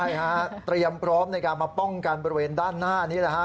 ไม่ใช่ครับตรียำพร้อมในการมาป้องกันบริเวณด้านหน้านี้นะครับ